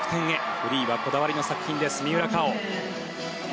フリーはこだわりの作品です三浦佳生。